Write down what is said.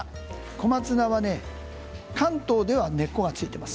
小松菜は関東では根っこがついています。